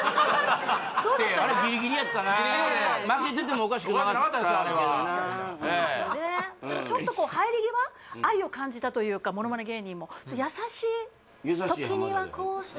あれギリギリやったな負けててもおかしくなかったんやけどなちょっとこう入り際愛を感じたというかモノマネ芸人もやさしい「時にはこうして」